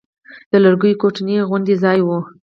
د لرګيو کوټنۍ غوندې ځاى و.